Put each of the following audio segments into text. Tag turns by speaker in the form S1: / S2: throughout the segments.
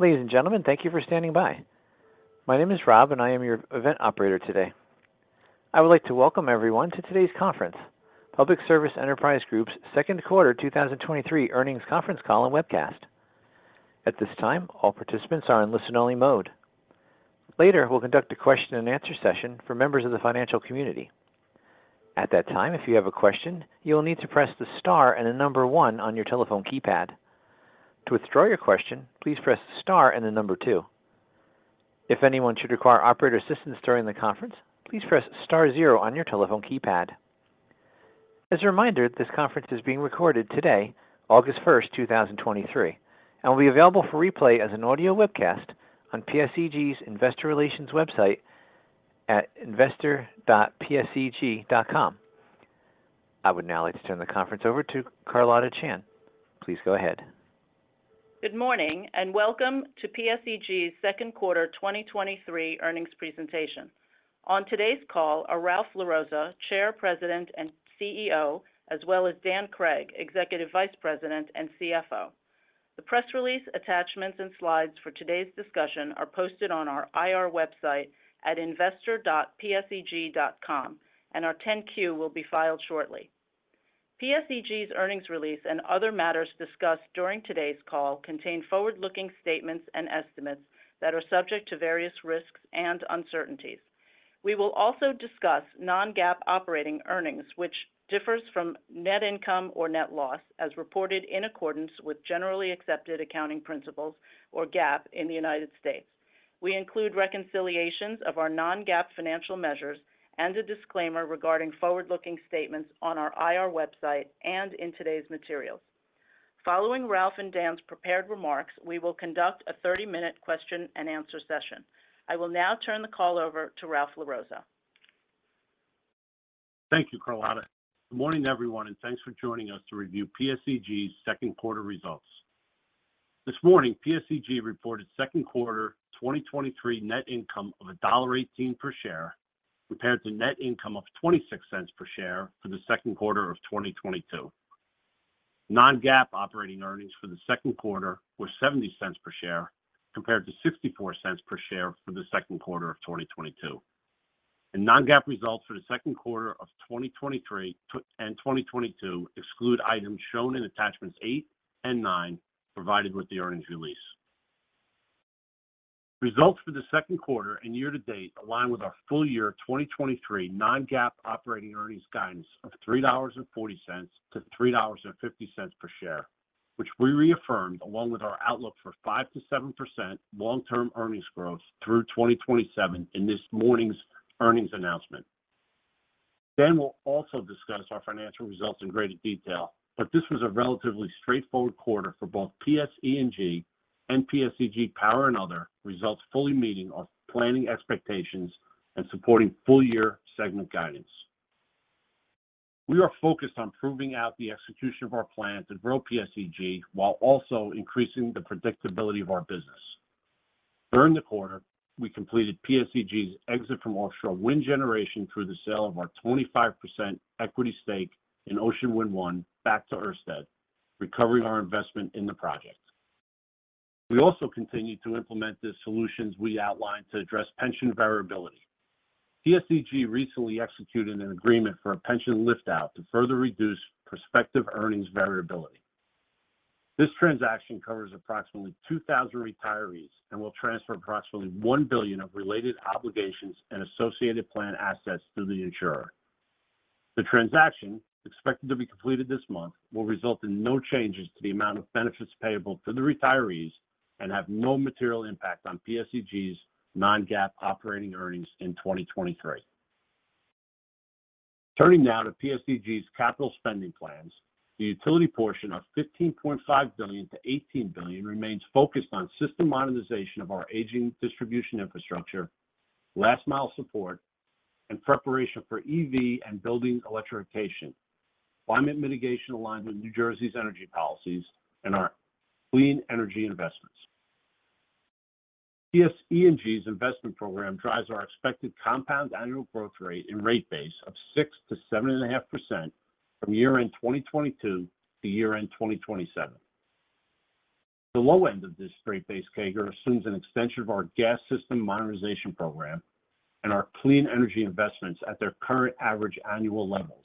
S1: Ladies and gentlemen, thank you for standing by. My name is Rob, and I am your event operator today. I would like to welcome everyone to today's conference, Public Service Enterprise Group's Second Quarter 2023 Earnings Conference Call and Webcast. At this time, all participants are in listen-only mode. Later, we'll conduct a question and answer session for members of the financial community. At that time, if you have a question, you will need to press the star and the number one on your telephone keypad. To withdraw your question, please press star and the number two. If anyone should require operator assistance during the conference, please press star 0 on your telephone keypad. As a reminder, this conference is being recorded today, August 1st, 2023, and will be available for replay as an audio webcast on PSEG's Investor Relations website at investor.pseg.com. I would now like to turn the conference over to Carlotta Chan. Please go ahead.
S2: Good morning, welcome to PSEG's Q2 2023 earnings presentation. On today's call are Ralph LaRossa, Chair, President, and CEO, as well as Daniel Cregg, Executive Vice President and CFO. The press release, attachments, and slides for today's discussion are posted on our IR website at investor.pseg.com, our 10-Q will be filed shortly. PSEG's earnings release and other matters discussed during today's call contain forward-looking statements and estimates that are subject to various risks and uncertainties. We will also discuss non-GAAP operating earnings, which differs from net income or net loss, as reported in accordance with generally accepted accounting principles or GAAP in the United States. We include reconciliations of our non-GAAP financial measures and a disclaimer regarding forward-looking statements on our IR website and in today's materials. Following Ralph and Dan's prepared remarks, we will conduct a 30-minute question and answer session. I will now turn the call over to Ralph LaRossa.
S3: Thank you, Carlotta. Good morning, everyone, thanks for joining us to review PSEG's Q2 results. This morning, PSEG reported Q2 2023 net income of $1.18 per share, compared to net income of $0.26 per share for the Q2 of 2022. Non-GAAP operating earnings for the Q2 were $0.70 per share, compared to $0.64 per share for the Q2 of 2022. Non-GAAP results for the Q2 of 2023 and 2022 exclude items shown in attachments 8 and 9, provided with the earnings release. Results for the Q2 and year-to-date align with our full year 2023 non-GAAP operating earnings guidance of $3.40-$3.50 per share, which we reaffirmed along with our outlook for 5%-7% long-term earnings growth through 2027 in this morning's earnings announcement. Dan will also discuss our financial results in greater detail, this was a relatively straightforward quarter for both PSE&G and PSEG Power and other results, fully meeting our planning expectations and supporting full year segment guidance. We are focused on proving out the execution of our plan to grow PSEG, while also increasing the predictability of our business. During the quarter, we completed PSEG's exit from offshore wind generation through the sale of our 25% equity stake in Ocean Wind 1 back to Ørsted, recovering our investment in the project. We also continued to implement the solutions we outlined to address pension variability. PSEG recently executed an agreement for a pension lift out to further reduce prospective earnings variability. This transaction covers approximately 2,000 retirees and will transfer approximately $1 billion of related obligations and associated plan assets to the insurer. The transaction, expected to be completed this month, will result in no changes to the amount of benefits payable to the retirees and have no material impact on PSEG's non-GAAP operating earnings in 2023. Turning now to PSEG's capital spending plans, the utility portion of $15.5 billion-$18 billion remains focused on system modernization of our aging distribution infrastructure, last mile support, and preparation for EV and building electrification, climate mitigation alignment, New Jersey's energy policies, and our clean energy investments. PSE&G's investment program drives our expected compound annual growth rate and rate base of 6% to 7.5% from year end 2022 to year end 2027. The low end of this straight base CAGR assumes an extension of our Gas System Modernization Program and our clean energy investments at their current average annual levels,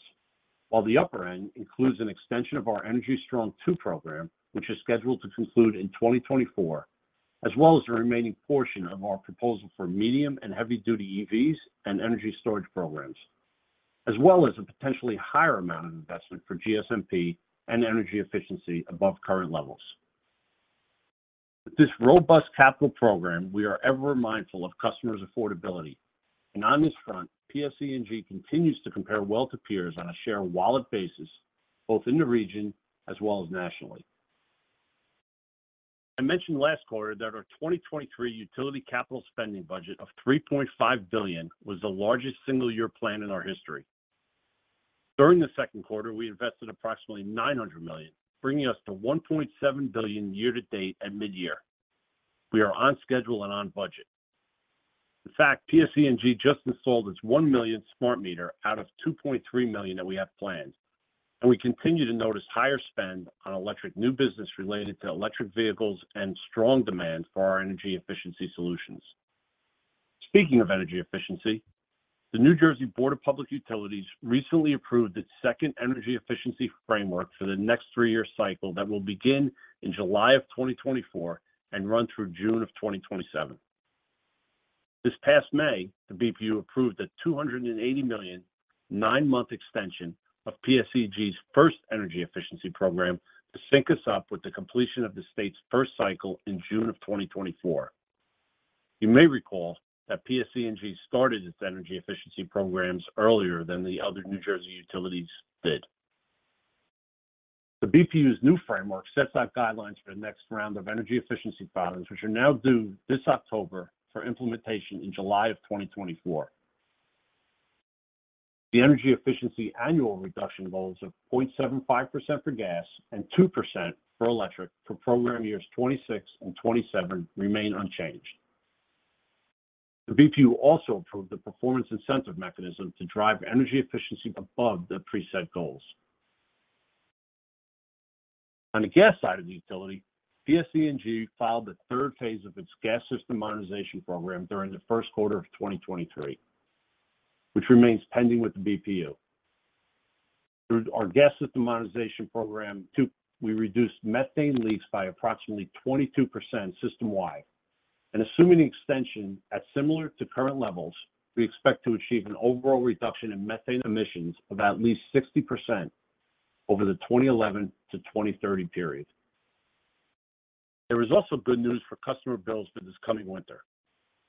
S3: while the upper end includes an extension of our Energy Strong II program, which is scheduled to conclude in 2024, as well as the remaining portion of our proposal for medium and heavy-duty EVs and energy storage programs, as well as a potentially higher amount of investment for GSMP and energy efficiency above current levels. With this robust capital program, we are ever mindful of customers' affordability. On this front, PSE&G continues to compare well to peers on a share wallet basis, both in the region as well as nationally. I mentioned last quarter that our 2023 utility capital spending budget of $3.5 billion was the largest single-year plan in our history. During the Q2, we invested approximately $900 million, bringing us to $1.7 billion year to date and mid-year. We are on schedule and on budget. In fact, PSEG just installed its one millionth smart meter out of 2.3 million that we have planned. We continue to notice higher spend on electric new business related to electric vehicles and strong demand for our energy efficiency solutions. Speaking of energy efficiency, the New Jersey Board of Public Utilities recently approved its second energy efficiency framework for the next three-year cycle that will begin in July of 2024 and run through June of 2027. This past May, the BPU approved a $280 million, nine-month extension of PSEG's first energy efficiency program to sync us up with the completion of the state's first cycle in June of 2024. You may recall that PSEG started its energy efficiency programs earlier than the other New Jersey utilities did. The BPU's new framework sets out guidelines for the next round of energy efficiency filings, which are now due this October for implementation in July of 2024. The energy efficiency annual reduction goals of 0.75% for gas and 2% for electric for program years 2026 and 2027 remain unchanged. The BPU also approved the performance incentive mechanism to drive energy efficiency above the preset goals. On the gas side of the utility, PSEG filed the third phase of its gas system modernization program during the Q1 of 2023, which remains pending with the BPU. Through our gas system modernization program, two, we reduced methane leaks by approximately 22% system-wide, and assuming the extension at similar to current levels, we expect to achieve an overall reduction in methane emissions of at least 60% over the 2011 to 2030 period. There is also good news for customer bills for this coming winter.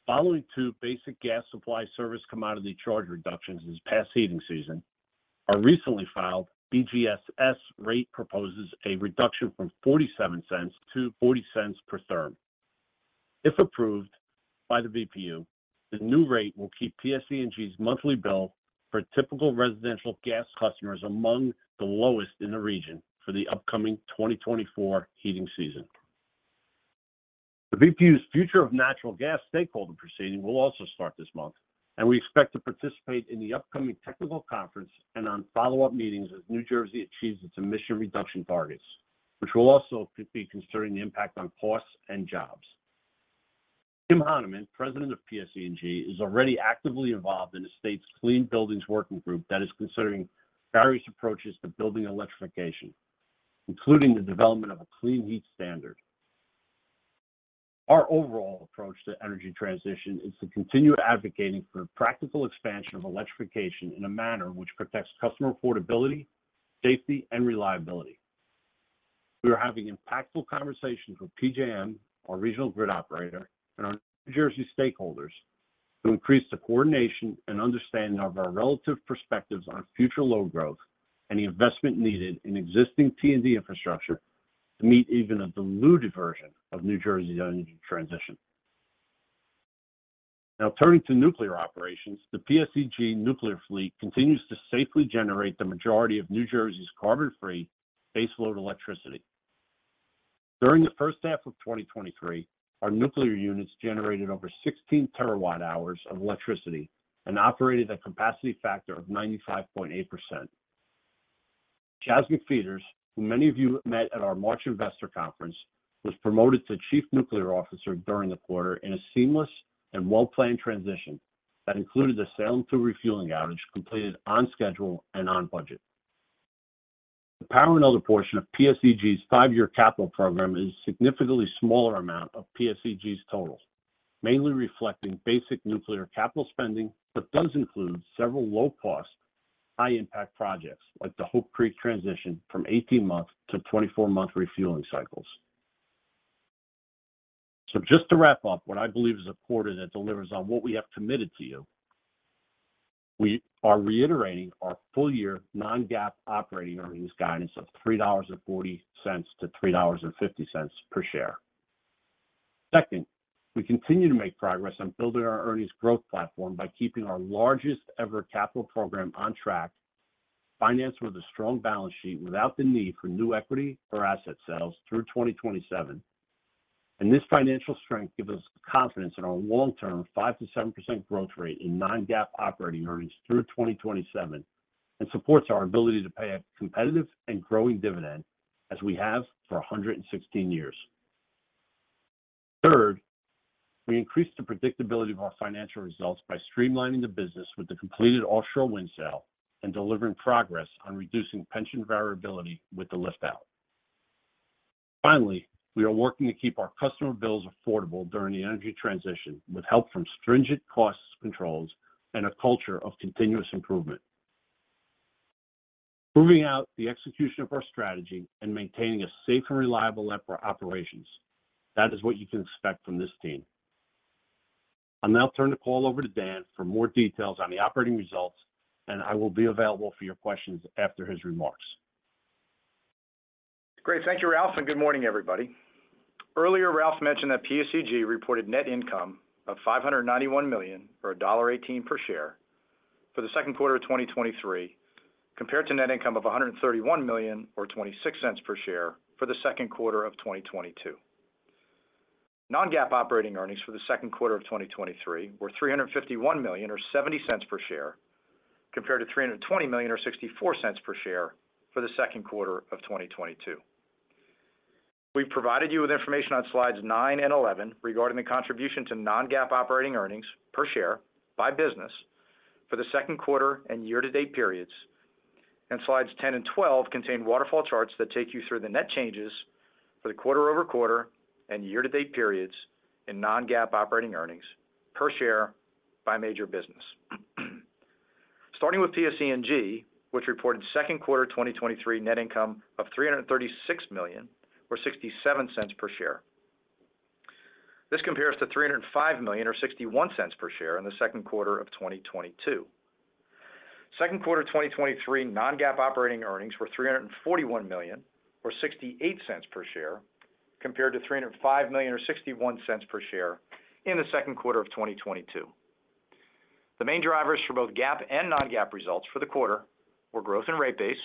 S3: Following two basic gas supply service commodity charge reductions this past heating season, our recently filed BGSS rate proposes a reduction from $0.47 to $0.40 per therm. If approved by the BPU, the new rate will keep PSEG's monthly bill for typical residential gas customers among the lowest in the region for the upcoming 2024 heating season. The BPU's future of natural gas stakeholder proceeding will also start this month. We expect to participate in the upcoming technical conference and on follow-up meetings as New Jersey achieves its emission reduction targets, which will also be considering the impact on costs and jobs. Kim Hanemann, President of PSEG, is already actively involved in the state's Clean Buildings Working Group that is considering various approaches to building electrification, including the development of a clean heat standard. Our overall approach to energy transition is to continue advocating for practical expansion of electrification in a manner which protects customer affordability, safety, and reliability. We are having impactful conversations with PJM, our regional grid operator, and our New Jersey stakeholders to increase the coordination and understanding of our relative perspectives on future load growth and the investment needed in existing T&D infrastructure to meet even a diluted version of New Jersey's energy transition. Now, turning to nuclear operations, the PSEG nuclear fleet continues to safely generate the majority of New Jersey's carbon-free baseload electricity. During the first half of 2023, our nuclear units generated over 16 terawatt-hours of electricity and operated a capacity factor of 95.8%. Charles McFeaters, who many of you met at our March investor conference, was promoted to Chief Nuclear Officer during the quarter in a seamless and well-planned transition that included the Salem 2 refueling outage, completed on schedule and on budget. The power and other portion of PSEG's 5-year capital program is a significantly smaller amount of PSEG's totals, mainly reflecting basic nuclear capital spending, but does include several low-cost, high-impact projects, like the Hope Creek transition from 18-month to 24-month refueling cycles. Just to wrap up what I believe is a quarter that delivers on what we have committed to you, we are reiterating our full-year non-GAAP operating earnings guidance of $3.40-$3.50 per share. Second, we continue to make progress on building our earnings growth platform by keeping our largest ever capital program on track, financed with a strong balance sheet without the need for new equity or asset sales through 2027. This financial strength gives us confidence in our long-term 5%-7% growth rate in non-GAAP operating earnings through 2027 and supports our ability to pay a competitive and growing dividend as we have for 116 years. Third, we increased the predictability of our financial results by streamlining the business with the completed offshore wind sale and delivering progress on reducing pension variability with the lift out. Finally, we are working to keep our customer bills affordable during the energy transition, with help from stringent cost controls and a culture of continuous improvement. Moving out the execution of our strategy and maintaining a safe and reliable level of operations, that is what you can expect from this team. I'll now turn the call over to Dan for more details on the operating results, and I will be available for your questions after his remarks.
S4: Great. Thank you, Ralph. Good morning, everybody. Earlier, Ralph mentioned that PSEG reported net income of $591 million, or $1.18 per share for the Q2 of 2023, compared to net income of $131 million or $0.26 per share for the Q of 2022. Non-GAAP operating earnings for the Q2 of 2023 were $351 million, or $0.70 per share, compared to $320 million or $0.64 per share for the Q2 of 2022. We've provided you with information on slides nine and 11 regarding the contribution to non-GAAP operating earnings per share by business for the Q2 and year-to-date periods, and slides 10 and 12 contain waterfall charts that take you through the net changes for the quarter-over-quarter and year-to-date periods in non-GAAP operating earnings per share by major business. Starting with PSEG, which reported Q2 2023 net income of $336 million or $0.67 per share. This compares to $305 million or $0.61 per share in the Q2 of 2022. Q2 2023 non-GAAP operating earnings were $341 million, or $0.68 per share, compared to $305 million or $0.61 per share in the Q2 of 2022. The main drivers for both GAAP and non-GAAP results for the quarter were growth in rate base,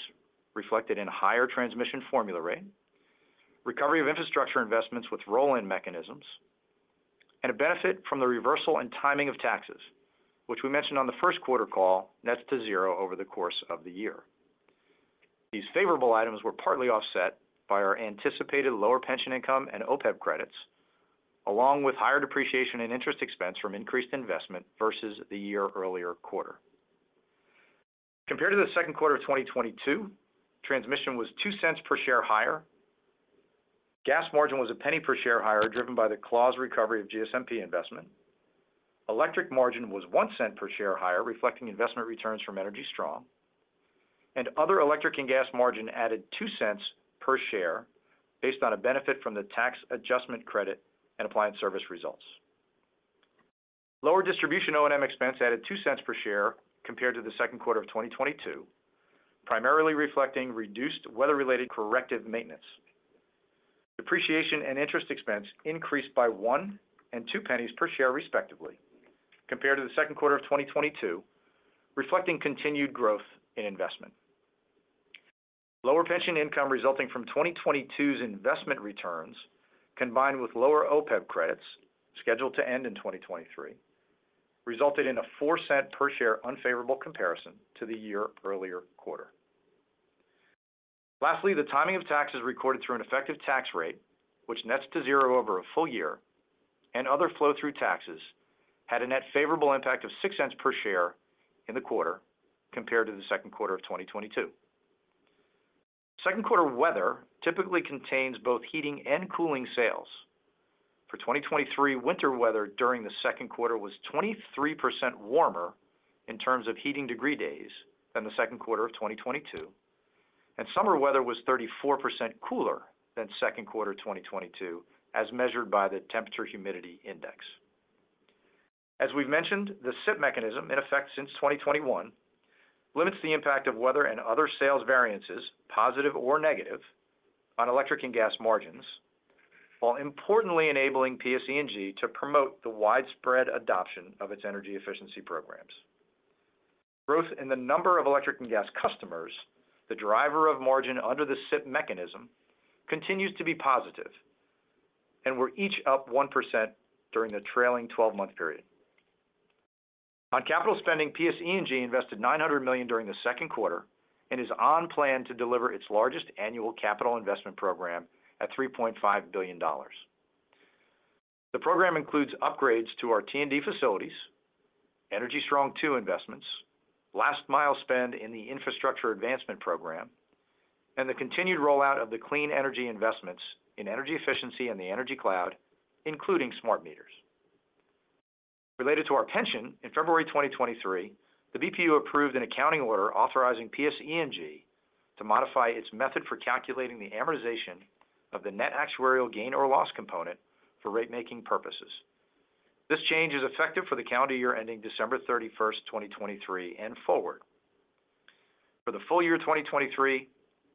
S4: reflected in a higher transmission formula rate, recovery of infrastructure investments with roll-in mechanisms, and a benefit from the reversal and timing of taxes, which we mentioned on the Q1 call, nets to zero over the course of the year. These favorable items were partly offset by our anticipated lower pension income and OPEB credits, along with higher depreciation and interest expense from increased investment versus the year earlier quarter. Compared to the Q2 of 2022, transmission was $0.02 per share higher. Gas margin was $0.01 per share higher, driven by the clause recovery of GSMP investment. Electric margin was $0.01 per share higher, reflecting investment returns from Energy Strong, and other electric and gas margin added $0.02 per share based on a benefit from the tax adjustment credit and appliance service results. Lower distribution O&M expense added $0.02 per share compared to the Q2 of 2022, primarily reflecting reduced weather-related corrective maintenance. Depreciation and interest expense increased by $0.01 and $0.02 per share, respectively, compared to the Q2 of 2022, reflecting continued growth in investment. Lower pension income resulting from 2022's investment returns, combined with lower OPEB credits scheduled to end in 2023, resulted in a $0.04 per share unfavorable comparison to the year earlier quarter. The timing of taxes recorded through an effective tax rate, which nets to zero over a full year, and other flow-through taxes had a net favorable impact of $0.06 per share in the quarter compared to the Q2 of 2022. Q2 weather typically contains both heating and cooling sales. For 2023, winter weather during the Q2 was 23% warmer in terms of heating degree days than the Q2 of 2022, and summer weather was 34% cooler than Q2 2022, as measured by the Temperature-Humidity Index. As we've mentioned, the SIP mechanism, in effect since 2021, limits the impact of weather and other sales variances, positive or negative, on electric and gas margins, while importantly enabling PSEG to promote the widespread adoption of its energy efficiency programs. Growth in the number of electric and gas customers, the driver of margin under the SIP mechanism, continues to be positive and were each up 1% during the trailing 12-month period. On capital spending, PSEG invested $900 million during the Q2 and is on plan to deliver its largest annual capital investment program at $3.5 billion. The program includes upgrades to our T&D facilities, Energy Strong II investments, last mile spend in the Infrastructure Advancement Program, and the continued rollout of the clean energy investments in energy efficiency and the Energy Cloud, including smart meters. Related to our pension, in February 2023, the BPU approved an accounting order authorizing PSEG to modify its method for calculating the amortization of the net actuarial gain or loss component for rate-making purposes. This change is effective for the calendar year ending December 31st, 2023, and forward. For the full year 2023,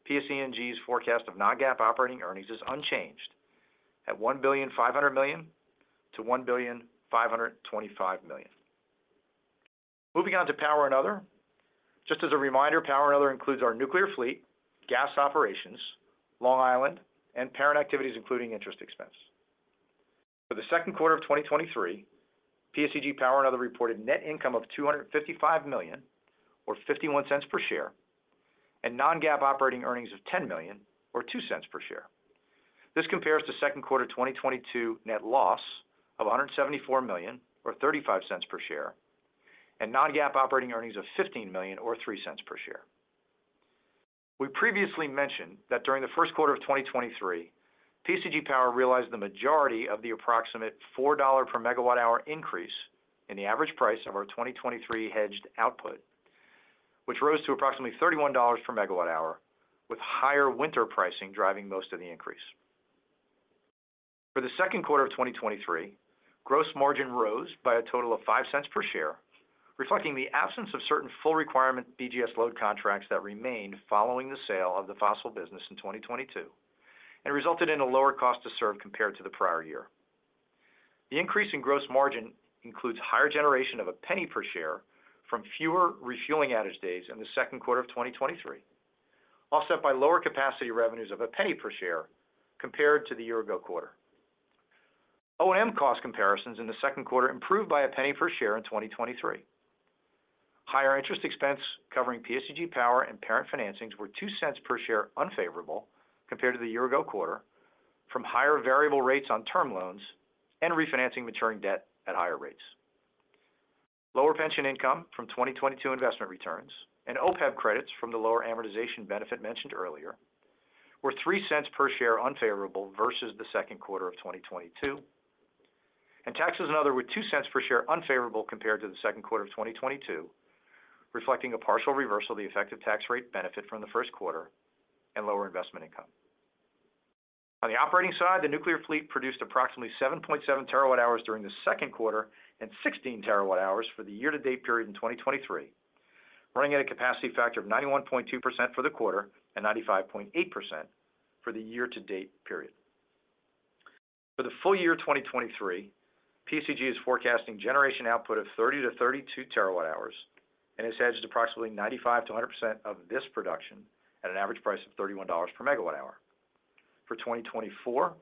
S4: PSEG's forecast of non-GAAP operating earnings is unchanged at $1.5 billion-$1.525 billion. Moving on to Power and Other. Just as a reminder, Power and Other includes our nuclear fleet, gas operations, Long Island, and parent activities, including interest expense. For the Q22023, PSEG Power and Other reported net income of $255 million, or $0.51 per share, and non-GAAP operating earnings of $10 million, or $0.02 per share. This compares to Q2 2022 net loss of $174 million or $0.35 per share, and non-GAAP operating earnings of $15 million or $0.03 per share. We previously mentioned that during the Q1 of 2023, PSEG Power realized the majority of the approximate $4 per MWh increase in the average price of our 2023 hedged output, which rose to approximately $31 per MWh, with higher winter pricing driving most of the increase. For the Q2 of 2023, gross margin rose by a total of $0.05 per share, reflecting the absence of certain full requirement BGS load contracts that remained following the sale of the fossil business in 2022 and resulted in a lower cost to serve compared to the prior year. The increase in gross margin includes higher generation of $0.01 per share from fewer refueling outage days in the Q2 of 2023, offset by lower capacity revenues of $0.01 per share compared to the year-ago quarter. O&M cost comparisons in the Q2 improved by $0.01 per share in 2023. Higher interest expense covering PSEG Power and parent financings were $0.02 per share unfavorable compared to the year-ago quarter, from higher variable rates on term loans and refinancing maturing debt at higher rates. Lower pension income from 2022 investment returns and OPEB credits from the lower amortization benefit mentioned earlier, were $0.03 per share unfavorable versus the Q2 of 2022. Taxes and other were $0.02 per share unfavorable compared to the Q2 of 2022, reflecting a partial reversal of the effective tax rate benefit from the Q1 and lower investment income. On the operating side, the nuclear fleet produced approximately 7.7 TWh during the Q2 and 16 TWh for the year-to-date period in 2023, running at a capacity factor of 91.2% for the quarter and 95.8% for the year-to-date period. For the full year of 2023, PSEG is forecasting generation output of 30-32 TWh, has hedged approximately 95%-100% of this production at an average price of $31 per MWh. For 2024,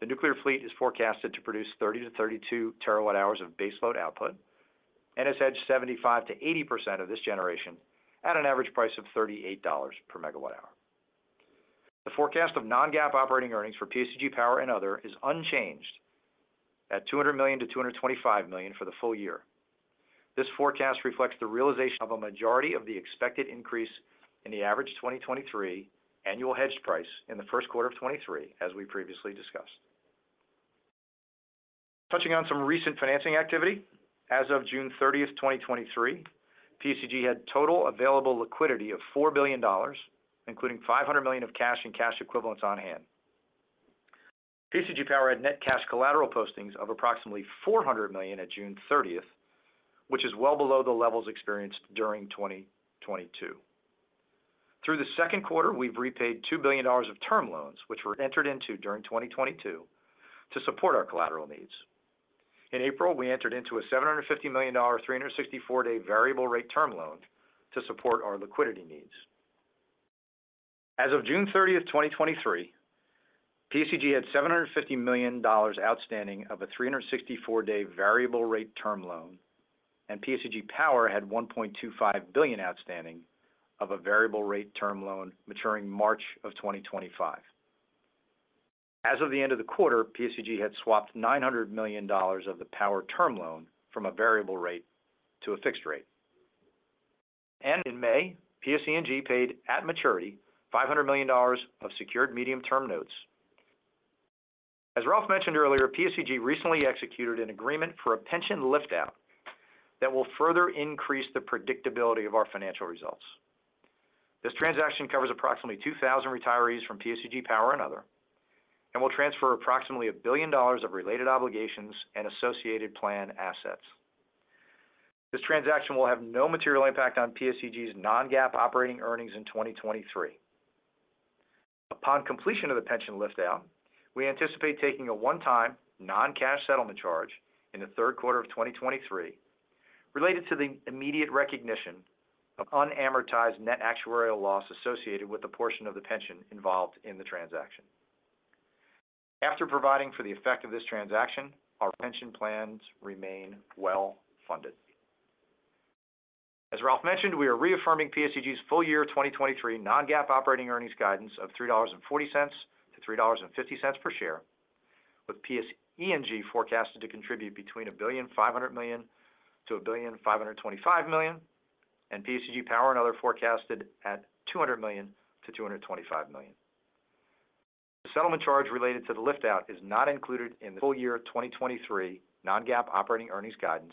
S4: the nuclear fleet is forecasted to produce 30-32 TWh of base load output, and has hedged 75%-80% of this generation at an average price of $38 per MWh. The forecast of non-GAAP operating earnings for PSEG Power and Other is unchanged at $200 million-$225 million for the full year. This forecast reflects the realization of a majority of the expected increase in the average 2023 annual hedged price in the Q1 of 2023, as we previously discussed. Touching on some recent financing activity, as of June 30th, 2023, PSEG had total available liquidity of $4 billion, including $500 million of cash and cash equivalents on hand. PSEG Power had net cash collateral postings of approximately $400 million at June 30th, which is well below the levels experienced during 2022. Through the Q2, we've repaid $2 billion of term loans, which were entered into during 2022, to support our collateral needs. In April, we entered into a $750 million, 364-day variable rate term loan to support our liquidity needs. As of June 30th, 2023, PSEG had $750 million outstanding of a 364-day variable rate term loan, and PSEG Power had $1.25 billion outstanding of a variable rate term loan maturing March 2025. As of the end of the quarter, PSEG had swapped $900 million of the power term loan from a variable rate to a fixed rate. In May, PSEG paid at maturity, $500 million of secured medium-term notes. As Ralph mentioned earlier, PSEG recently executed an agreement for a pension lift out that will further increase the predictability of our financial results. This transaction covers approximately 2,000 retirees from PSEG Power and Other, and will transfer approximately $1 billion of related obligations and associated plan assets. This transaction will have no material impact on PSEG's non-GAAP operating earnings in 2023. Upon completion of the pension lift out, we anticipate taking a one-time, non-cash settlement charge in the Q3 of 2023, related to the immediate recognition of unamortized net actuarial loss associated with the portion of the pension involved in the transaction. After providing for the effect of this transaction, our pension plans remain well funded. As Ralph LaRossa mentioned, we are reaffirming PSEG's full year 2023 non-GAAP operating earnings guidance of $3.40-$3.50 per share, with PSE&G forecasted to contribute between $1.5 billion-$1.525 billion, and PSEG Power and Other forecasted at $200 million-$225 million. The settlement charge related to the lift out is not included in the full year of 2023 non-GAAP operating earnings guidance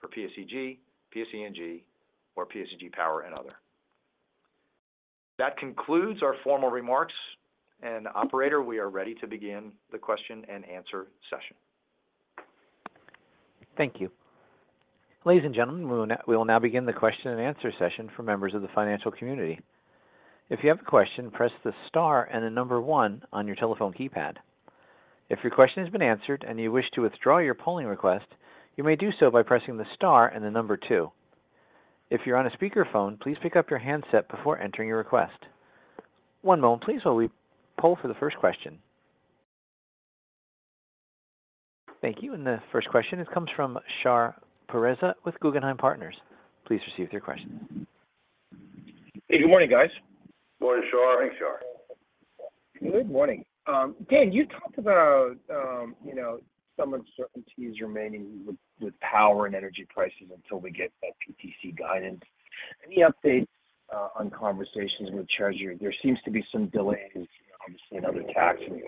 S4: for PSEG, PSE&G, or PSEG Power and Other. That concludes our formal remarks. Operator, we are ready to begin the question-and-answer session.
S1: Thank you. Ladies and gentlemen, we will now begin the question-and-answer session for members of the financial community. If you have a question, press the star and the number one on your telephone keypad. If your question has been answered and you wish to withdraw your polling request, you may do so by pressing the star and the number two. If you're on a speakerphone, please pick up your handset before entering your request. One moment, please, while we poll for the first question. Thank you. The first question, it comes from Shar Pourreza with Guggenheim Partners. Please proceed with your question.
S5: Hey, good morning, guys.
S3: Morning, Shar. Thanks, Shar.
S5: Good morning. Dan, you talked about, you know, some uncertainties remaining with, with power and energy prices until we get that PTC guidance. Any updates on conversations with Treasury? There seems to be some delays, obviously, in other tax and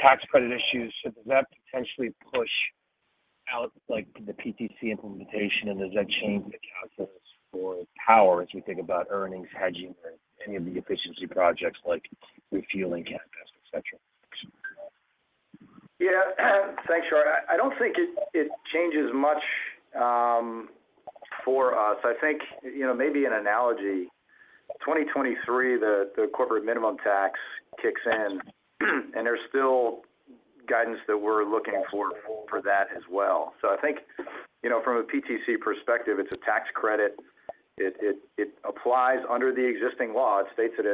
S5: tax credit issues. Does that potentially push out, like, the PTC implementation, and does that change the calculus for power as we think about earnings, hedging, or any of the efficiency projects like refueling capacity, et cetera?
S4: Yeah, thanks, Shar. I, I don't think it, it changes much for us. I think, you know, maybe an analogy 2023, the corporate minimum tax kicks in. There's still guidance that we're looking for, for that as well. I think, you know, from a PTC perspective, it's a tax credit. It applies under the existing law. It states that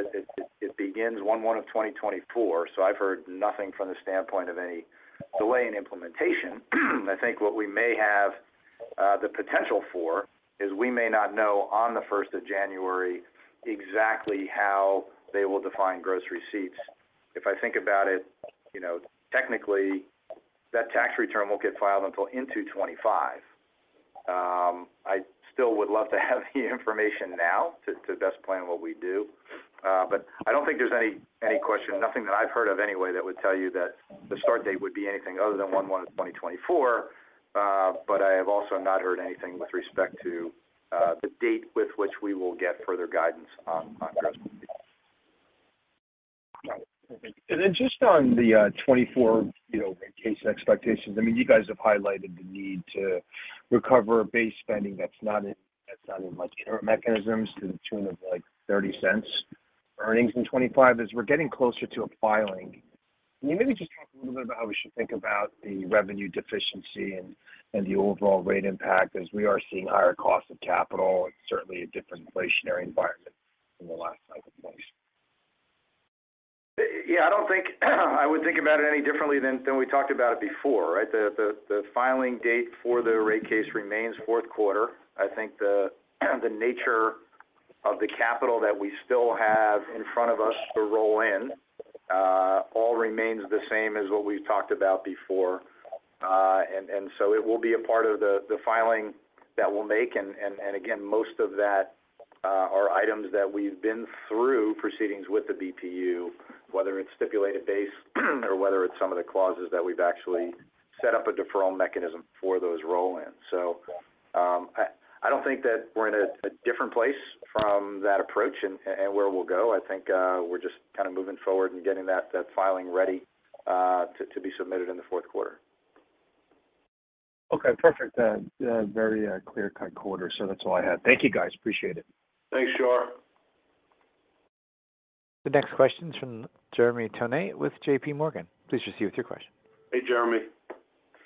S4: it begins January 1, 2024. I've heard nothing from the standpoint of any delay in implementation. I think what we may have the potential for is we may not know on the 1st of January exactly how they will define gross receipts. If I think about it, you know, technically, that tax return won't get filed until into 2025. I still would love to have the information now to best plan what we do. I don't think there's any, any question, nothing that I've heard of anyway, that would tell you that the start date would be anything other than January 1, 2024. But I have also not heard anything with respect to the date with which we will get further guidance on, on gross receipts.
S5: Got it. Thank you. Then just on the 2024, you know, case expectations. I mean, you guys have highlighted the need to recover base spending that's not in, that's not in, like, interim mechanisms to the tune of, like, $0.30 earnings in 2025. As we're getting closer to a filing, can you maybe just talk a little bit about how we should think about the revenue deficiency and the overall rate impact, as we are seeing higher costs of capital and certainly a different inflationary environment than the last cycle, please?
S4: Yeah, I don't think, I would think about it any differently than we talked about it before, right? The filing date for the rate case remains Q4. I think the nature of the capital that we still have in front of us to roll in, all remains the same as what we've talked about before. So it will be a part of the filing that we'll make, and again, most of that are items that we've been through proceedings with the BPU, whether it's stipulated base, or whether it's some of the clauses that we've actually set up a deferral mechanism for those roll-ins. I don't think that we're in a different place from that approach and where we'll go. I think, we're just kind of moving forward and getting that, that filing ready, to, to be submitted in the Q4.
S5: Okay, perfect. very clear-cut quarter. That's all I had. Thank you, guys. Appreciate it.
S3: Thanks, Shar.
S1: The next question is from Jeremy Tonet with JPMorgan. Please proceed with your question.
S3: Hey, Jeremy.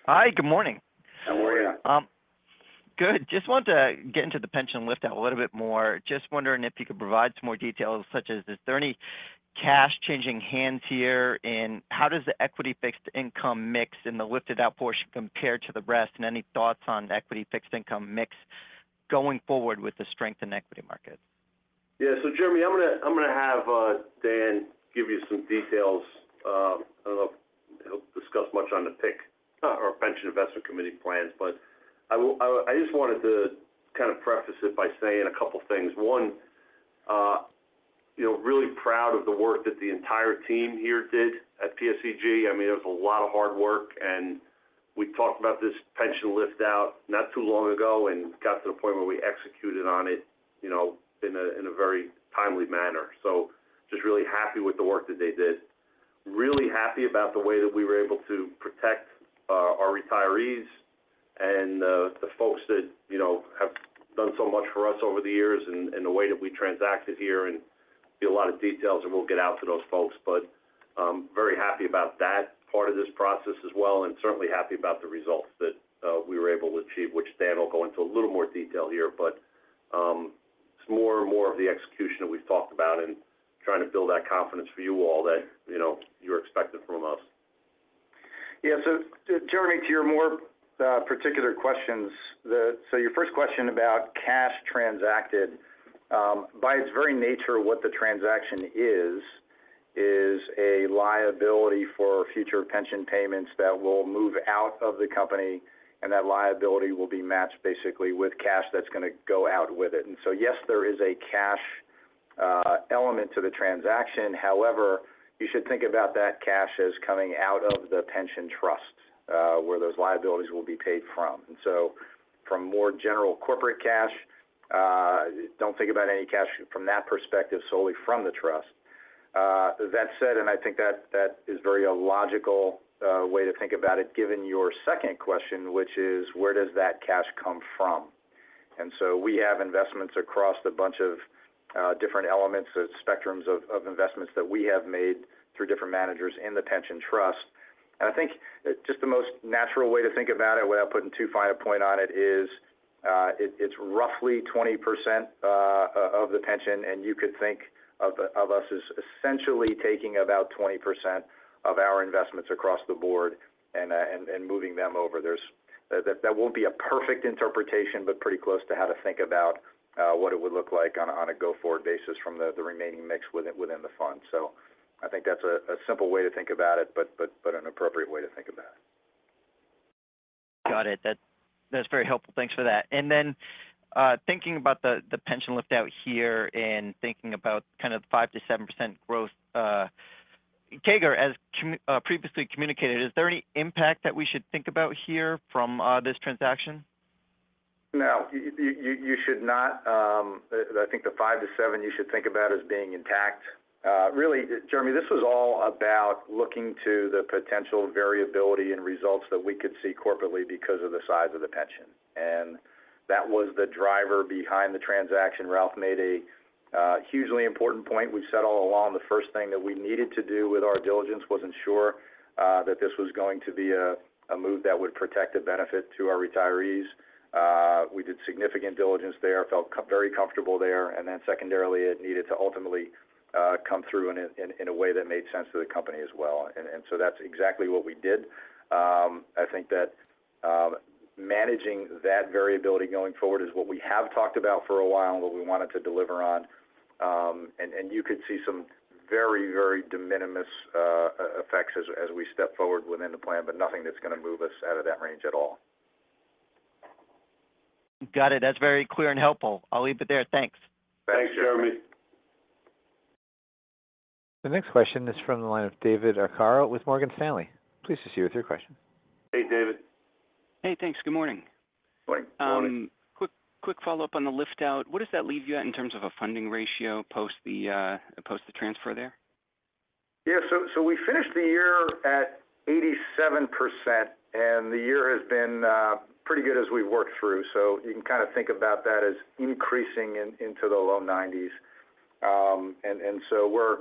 S6: Hi, good morning.
S3: How are you?
S6: Good. Just want to get into the pension lift out a little bit more. Just wondering if you could provide some more details, such as, is there any cash changing hands here? How does the equity fixed income mix in the lifted out portion compare to the rest, and any thoughts on equity fixed income mix going forward with the strength in equity markets?
S3: Yeah. Jeremy, I'm gonna, I'm gonna have Dan give you some details. I don't know if he'll discuss much on the PIC, or Pension Investment Committee plans, but I will-- I, I just wanted to kind of preface it by saying a couple things. One, you know, really proud of the work that the entire team here did at PSEG. I mean, it was a lot of hard work, and we talked about this pension lift out not too long ago and got to the point where we executed on it, you know, in a, in a very timely manner. Just really happy with the work that they did. Really happy about the way that we were able to protect our retirees and the folks that, you know, have done so much for us over the years and the way that we transacted here and be a lot of details, and we'll get out to those folks. Very happy about that part of this process as well, and certainly happy about the results that we were able to achieve, which Dan will go into a little more detail here. It's more and more of the execution that we've talked about and trying to build that confidence for you all that, you know, you're expecting from us.
S4: Yeah. Jeremy, to your more particular questions. The first question about cash transacted, by its very nature, what the transaction is, is a liability for future pension payments that will move out of the company, and that liability will be matched basically with cash that's gonna go out with it. Yes, there is a cash element to the transaction. However, you should think about that cash as coming out of the pension trust, where those liabilities will be paid from. From more general corporate cash, don't think about any cash from that perspective, solely from the trust. That said, and I think that, that is very a logical way to think about it, given your second question, which is, where does that cash come from? We have investments across a bunch of different elements and spectrums of investments that we have made through different managers in the pension trust. I think just the most natural way to think about it, without putting too fine a point on it, is it's roughly 20% of the pension, and you could think of us as essentially taking about 20% of our investments across the board and moving them over. That won't be a perfect interpretation, but pretty close to how to think about what it would look like on a go-forward basis from the remaining mix within the fund. I think that's a simple way to think about it, but an appropriate way to think about it.
S6: Got it. That, that's very helpful. Thanks for that. Then, thinking about the, the pension lift out here and thinking about kind of 5%-7% growth, CAGR, as comm-- previously communicated, is there any impact that we should think about here from, this transaction?
S4: No, you should not. I think the five to seven, you should think about as being intact. Really, Jeremy, this was all about looking to the potential variability and results that we could see corporately because of the size of the pension. That was the driver behind the transaction. Ralph made a hugely important point. We've said all along, the first thing that we needed to do with our diligence was ensure that this was going to be a move that would protect the benefit to our retirees. We did significant diligence there, felt very comfortable there, and then secondarily, it needed to ultimately come through in a way that made sense to the company as well. That's exactly what we did. I think that managing that variability going forward is what we have talked about for a while, and what we wanted to deliver on. And you could see some very, very de minimis, as we step forward within the plan, but nothing that's gonna move us out of that range at all.
S6: Got it. That's very clear and helpful. I'll leave it there. Thanks.
S3: Thanks, Jeremy.
S1: The next question is from the line of David Arcaro with Morgan Stanley. Please proceed with your question.
S3: Hey, David.
S7: Hey, thanks. Good morning.
S3: Good morning.
S7: Quick, quick follow-up on the lift out. What does that leave you at in terms of a funding ratio post the post the transfer there?
S3: Yeah. So we finished the year at 87%, and the year has been pretty good as we've worked through. You can kind of think about that as increasing into the low 90s. We're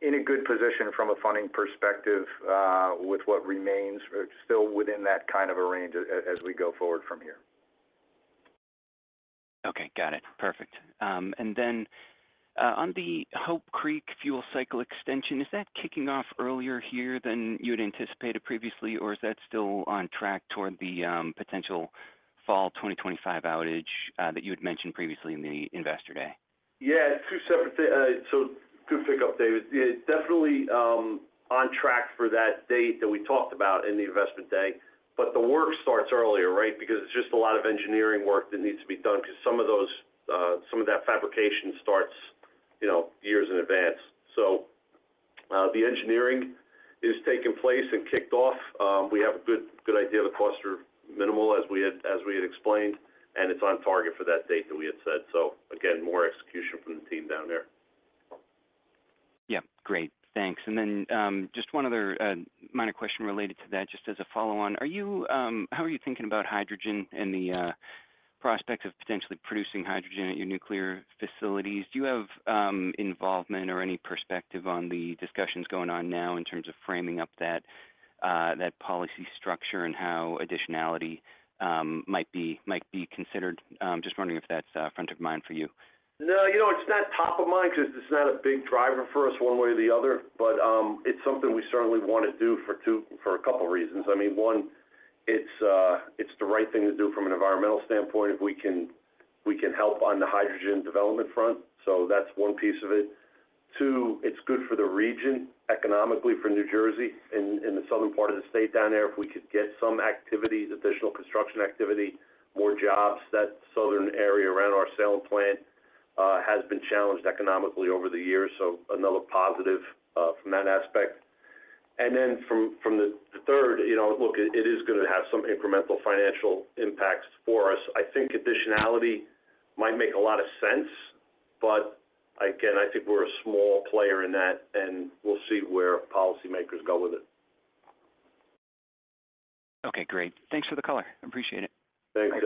S3: in a good position from a funding perspective with what remains. It's still within that kind of a range as we go forward from here.
S7: Okay. Got it. Perfect. Then, on the Hope Creek fuel cycle extension, is that kicking off earlier here than you had anticipated previously, or is that still on track toward the potential fall 2025 outage that you had mentioned previously in the Investor Day?
S3: Yeah, two separate things. Good pick up, David. It's definitely on track for that date that we talked about in the Investor Day, but the work starts earlier, right? Because it's just a lot of engineering work that needs to be done, because some of those, some of that fabrication starts, you know, years in advance. The engineering is taking place and kicked off. We have a good, good idea. The costs are minimal, as we had, as we had explained, and it's on target for that date that we had said. Again, more execution from the team down there.
S7: Yeah. Great. Thanks. Then, just one other minor question related to that, just as a follow-on. How are you thinking about hydrogen and the prospects of potentially producing hydrogen at your nuclear facilities? Do you have involvement or any perspective on the discussions going on now in terms of framing up that policy structure and how additionality might be, might be considered? Just wondering if that's front of mind for you.
S3: You know, it's not top of mind because it's not a big driver for us one way or the other. It's something we certainly want to do for a couple reasons. I mean, one, it's the right thing to do from an environmental standpoint, if we can, we can help on the hydrogen development front. That's one piece of it. Two, it's good for the region, economically for New Jersey and the southern part of the state down there, if we could get some activity, additional construction activity, more jobs. That southern area around our Salem plant has been challenged economically over the years, so another positive from that aspect. From, from the, the third, you know, look, it is gonna have some incremental financial impacts for us. I think additionality might make a lot of sense. Again, I think we're a small player in that. We'll see where policymakers go with it.
S7: Okay, great. Thanks for the color. I appreciate it.
S3: Thanks,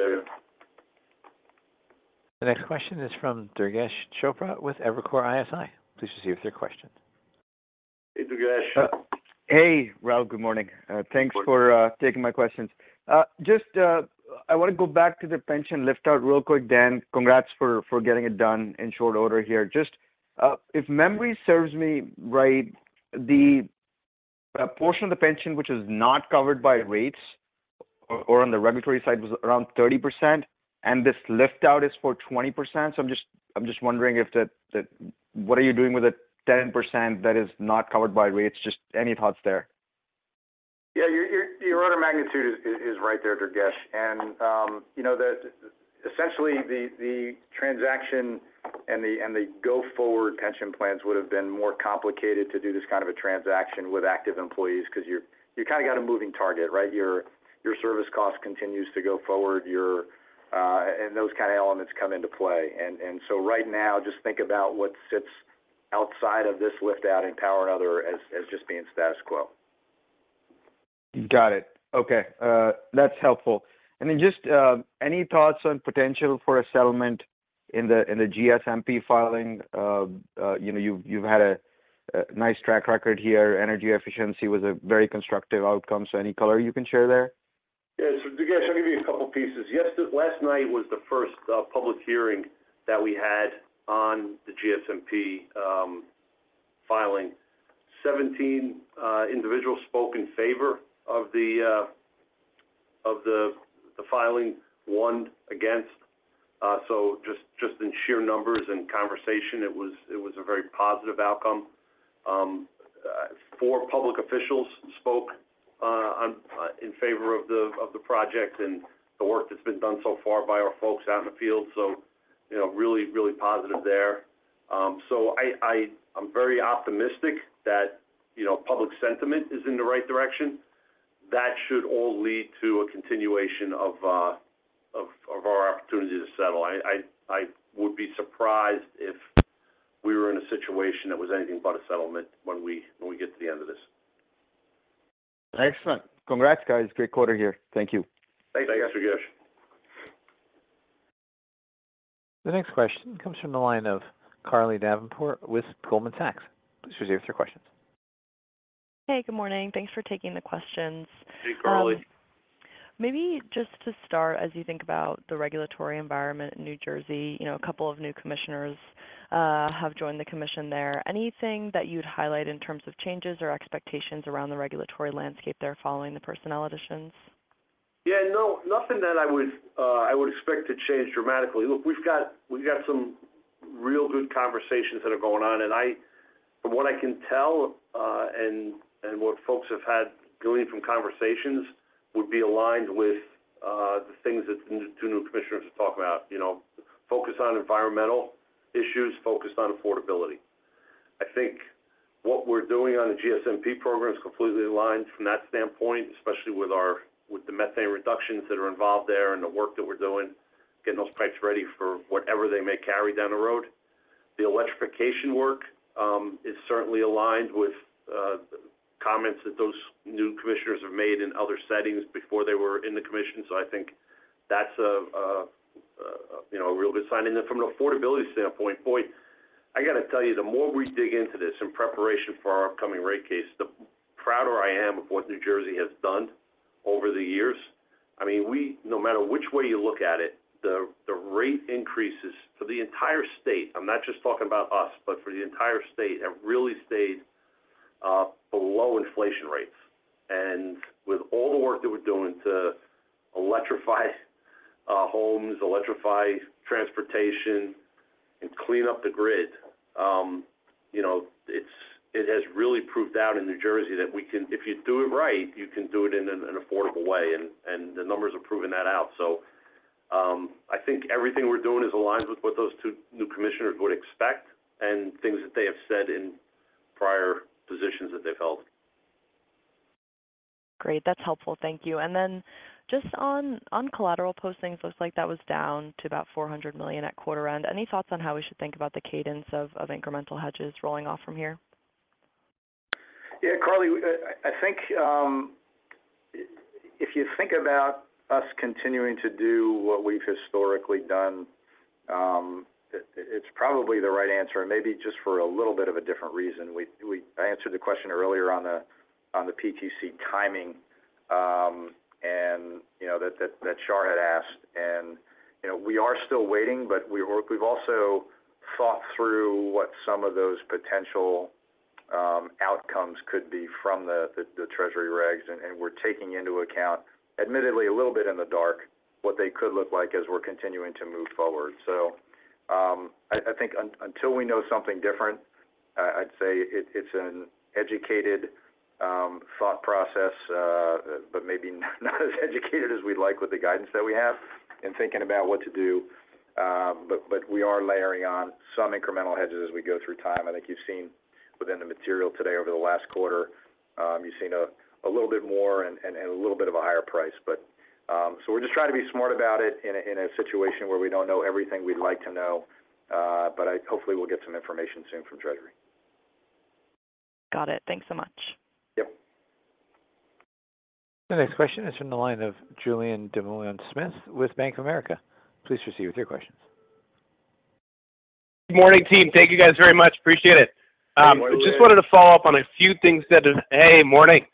S3: David.
S1: The next question is from Durgesh Chopra with Evercore ISI. Please proceed with your question.
S3: Hey, Durgesh.
S8: Hey, Ralph. Good morning.
S3: Good morning.
S8: Thanks for taking my questions. Just, I want to go back to the pension lift out real quick. Dan, congrats for getting it done in short order here. Just, if memory serves me right, the portion of the pension, which is not covered by rates or on the regulatory side, was around 30%, and this lift out is for 20%. I'm just, I'm just wondering if that, what are you doing with the 10% that is not covered by rates? Just any thoughts there?
S9: Yeah, your, your, your order of magnitude is, is right there, Durgesh. You know, the, essentially, the, the transaction and the, and the go-forward pension plans would have been more complicated to do this kind of a transaction with active employees, because you're, you kind of got a moving target, right? Your, your service cost continues to go forward, and those kind of elements come into play. So right now, just think about what sits outside of this lift out in Power and Other as, as just being status quo.
S8: Got it. Okay, that's helpful. Then just, any thoughts on potential for a settlement in the GSMP filing? You know, you've had a nice track record here. Energy efficiency was a very constructive outcome, so any color you can share there?
S3: Yeah. So Durgesh, I'll give you a couple pieces. Yesterday-- Last night was the first public hearing that we had on the GSMP filing. 17 individuals spoke in favor of the, of the, the filing, one against. So just, just in sheer numbers and conversation, it was, it was a very positive outcome. Four public officials spoke on in favor of the, of the project and the work that's been done so far by our folks out in the field, so, you know, really, really positive there. So I, I, I'm very optimistic that, you know, public sentiment is in the right direction. That should all lead to a continuation of, of, of our opportunity to settle. I would be surprised if we were in a situation that was anything but a settlement when we get to the end of this.
S8: Excellent. Congrats, guys. Great quarter here. Thank you.
S3: Thanks again, Durgesh.
S1: The next question comes from the line of Carly Davenport with Goldman Sachs. Please proceed with your questions.
S10: Hey, good morning. Thanks for taking the questions.
S3: Hey, Carly.
S10: Maybe just to start, as you think about the regulatory environment in New Jersey, you know, a couple of new commissioners have joined the commission there. Anything that you'd highlight in terms of changes or expectations around the regulatory landscape there following the personnel additions?
S3: Yeah, no, nothing that I would, I would expect to change dramatically. Look, we've got- we've got some real good conversations that are going on, and I-- from what I can tell, and, and what folks have had going from conversations would be aligned with the things that the two new commissioners are talking about. You know, focused on environmental issues, focused on affordability. I think what we're doing on the GSMP program is completely aligned from that standpoint, especially with our-- with the methane reductions that are involved there and the work that we're doing, getting those pipes ready for whatever they may carry down the road. The electrification work is certainly aligned with comments that those new commissioners have made in other settings before they were in the commission. I think that's a, a, a, you know, a real good sign. Then from an affordability standpoint, boy, I got to tell you, the more we dig into this in preparation for our upcoming rate case, the prouder I am of what New Jersey has done over the years. I mean, no matter which way you look at it, the, the rate increases for the entire state, I'm not just talking about us, but for the entire state, have really stayed below inflation rates. With all the work that we're doing to electrify homes, electrify transportation, and clean up the grid, you know, it has really proved out in New Jersey that if you do it right, you can do it in an affordable way, and the numbers are proving that out. I think everything we're doing is aligned with what those two new commissioners would expect and things that they have said in prior positions that they've held.
S10: Great. That's helpful. Thank you. Then just on, on collateral postings, looks like that was down to about $400 million at quarter end. Any thoughts on how we should think about the cadence of, of incremental hedges rolling off from here?
S3: Yeah, Carly, I think, if you think about us continuing to do what we've historically done, it's probably the right answer, and maybe just for a little bit of a different reason. I answered the question earlier on the PTC timing. You know, that Shar had asked. You know, we are still waiting. We've also thought through what some of those potential outcomes could be from the Treasury regs. We're taking into account, admittedly, a little bit in the dark, what they could look like as we're continuing to move forward. I, I think until we know something different, I'd say it, it's an educated thought process, but maybe not as educated as we'd like with the guidance that we have in thinking about what to do. But, but we are layering on some incremental hedges as we go through time. I think you've seen within the material today, over the last quarter, you've seen a, a little bit more and, and, and a little bit of a higher price. So we're just trying to be smart about it in a, in a situation where we don't know everything we'd like to know, but hopefully, we'll get some information soon from Treasury.
S10: Got it. Thanks so much.
S3: Yep.
S1: The next question is from the line of Julien Dumoulin-Smith with Bank of America. Please proceed with your questions.
S11: Good morning, team. Thank you guys very much. Appreciate it.
S3: Good morning.
S11: Just wanted to follow up on a few things. Hey, morning.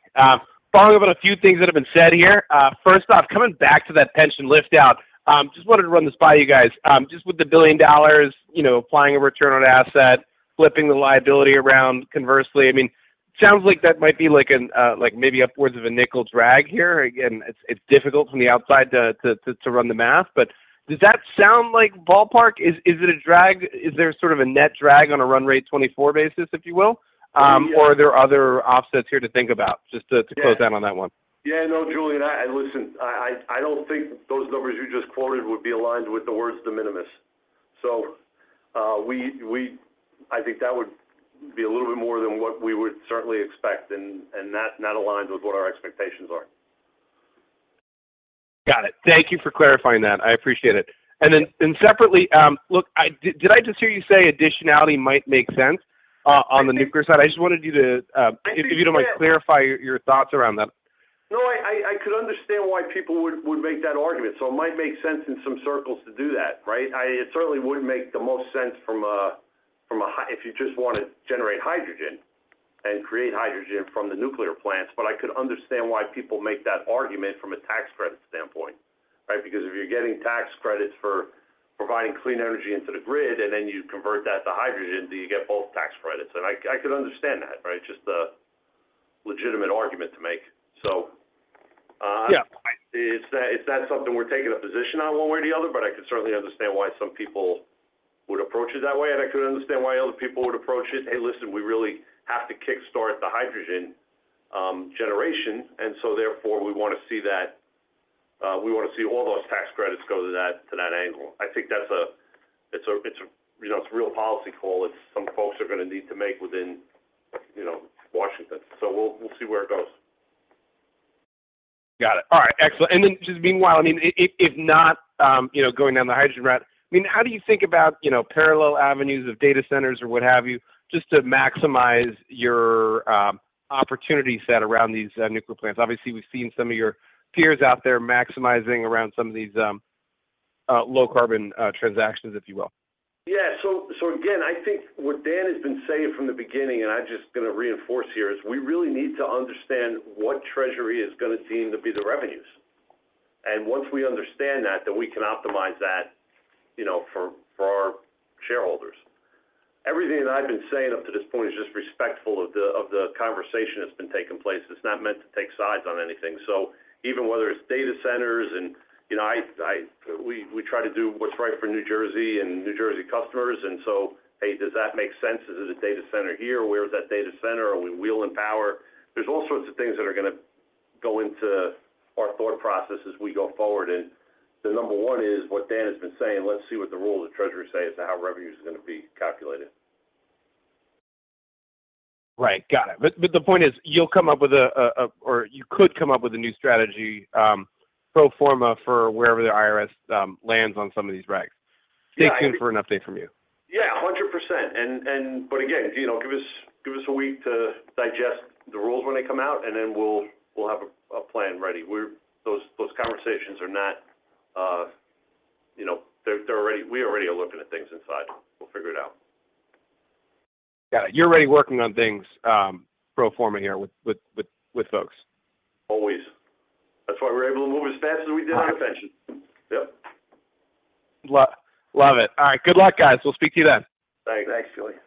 S11: Following up on a few things that have been said here. First off, coming back to that pension lift-out, just wanted to run this by you guys. Just with the $1 billion, you know, applying a return on asset, flipping the liability around, conversely. I mean, sounds like that might be like an, like maybe upwards of a $0.05 drag here. Again, it's difficult from the outside to run the math, but does that sound like ballpark? Is it a drag? Is there sort of a net drag on a run rate 2024 basis, if you will? Or are there other offsets here to think about? Just to close down on that one.
S3: Yeah. Julien, listen, I, I, I don't think those numbers you just quoted would be aligned with the words de minimis. I think that would be a little bit more than what we would certainly expect, and that's not aligned with what our expectations are.
S11: Got it. Thank you for clarifying that. I appreciate it.
S3: Yeah.
S11: Separately, look, did I just hear you say additionality might make sense on the nuclear side? I just wanted you to, if you don't mind, clarify your thoughts around that.
S3: I could understand why people would, would make that argument. It might make sense in some circles to do that, right? It certainly wouldn't make the most sense from a if you just want to generate hydrogen and create hydrogen from the nuclear plants, but I could understand why people make that argument from a tax credit standpoint, right? If you're getting tax credits for providing clean energy into the grid, and then you convert that to hydrogen, do you get both tax credits? I could understand that, right? Just a legitimate argument to make.
S11: Yeah
S3: It's not, it's not something we're taking a position on one way or the other, but I can certainly understand why some people would approach it that way, and I could understand why other people would approach it, "Hey, listen, we really have to kickstart the hydrogen generation, and so therefore, we want to see that we want to see all those tax credits go to that, to that angle." I think that's it's a, it's a, you know, it's a real policy call that some folks are going to need to make within, you know, Washington. We'll, we'll see where it goes.
S11: Got it. All right, excellent. Then just meanwhile, I mean, if not, you know, going down the hydrogen route, I mean, how do you think about, you know, parallel avenues of data centers or what have you, just to maximize your opportunity set around these nuclear plants? Obviously, we've seen some of your peers out there maximizing around some of these low carbon transactions, if you will.
S3: Yeah. So again, I think what Dan has been saying from the beginning, and I'm just going to reinforce here, is we really need to understand what Treasury is going to deem to be the revenues. Once we understand that, then we can optimize that, you know, for, for our shareholders. Everything that I've been saying up to this point is just respectful of the, of the conversation that's been taking place. It's not meant to take sides on anything. Even whether it's data centers and, you know, we, we try to do what's right for New Jersey and New Jersey customers. Hey, does that make sense? Is it a data center here, or where is that data center? Are we wheel and power? There's all sorts of things that are going to go into our thought process as we go forward, and the number one is what Dan has been saying: let's see what the rules of Treasury say as to how revenue is going to be calculated.
S11: Right. Got it. The point is, you'll come up with a, or you could come up with a new strategy, pro forma for wherever the IRS lands on some of these regs.
S3: Yeah.
S11: Stay tuned for an update from you.
S3: Yeah, 100%. Again, you know, give us, give us a week to digest the rules when they come out, and then we'll, we'll have a plan ready. Those, those conversations are not, you know, we already are looking at things inside. We'll figure it out.
S11: Got it. You're already working on things, pro forma here with, with, with, with folks.
S3: Always. That's why we were able to move as fast as we did on the pension.
S11: All right.
S3: Yep.
S11: Love it. All right. Good luck, guys. We'll speak to you then.
S3: Thanks. Thanks, Julien.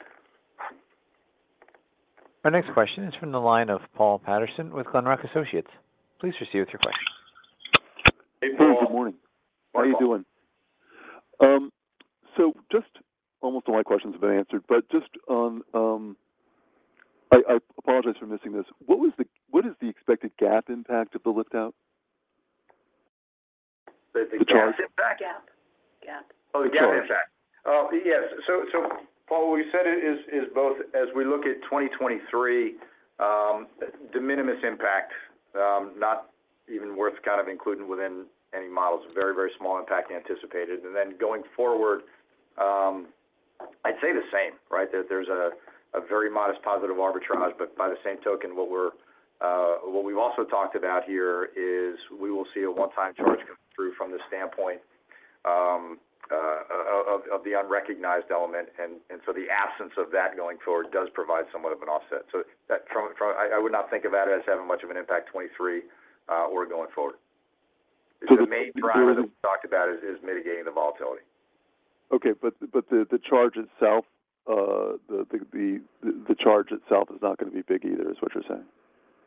S1: Our next question is from the line of Paul Patterson with Glenrock Associates. Please proceed with your question.
S3: Hey, Paul. Good morning. How are you doing?
S12: Almost all my questions have been answered, but just on... I, I apologize for missing this. What was what is the expected GAAP impact of the lift out?
S3: The charge impact?
S12: The GAAP. GAAP.
S4: Oh, the GAAP impact.
S3: Yes. Paul, we said it is, is both as we look at 2023, de minimis impact, not even worth kind of including within any models. Very, very small impact anticipated. Going forward, I'd say the same, right? That there's a, a very modest positive arbitrage, but by the same token, what we're, what we've also talked about here is we will see a one-time charge come through from the standpoint of the unrecognized element, the absence of that going forward does provide somewhat of an offset. I, I would not think about it as having much of an impact 23 or going forward.
S4: So the-
S3: The main driver that we talked about is, is mitigating the volatility.
S12: Okay, the charge itself, the charge itself is not going to be big either, is what you're saying?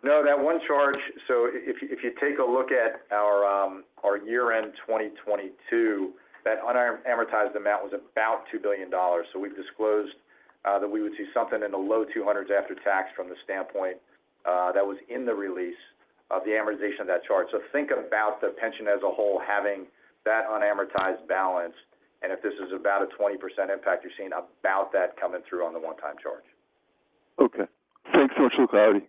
S4: No, that one charge. If you take a look at our year-end 2022, that unamortized amount was about $2 billion. We've disclosed that we would see something in the low $200s after tax from the standpoint that was in the release of the amortization of that charge. Think about the pension as a whole, having that unamortized balance, and if this is about a 20% impact, you're seeing about that coming through on the one-time charge.
S12: Okay. Thanks so much for clarity.